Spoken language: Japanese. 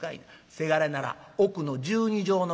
せがれなら奥の１２畳の間じゃ」。